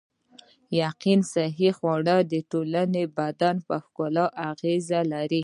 یقیناً صحي خواړه د ټول بدن په ښکلا اغیزه لري